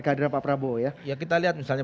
kehadiran pak prabowo ya yang kita lihat misalnya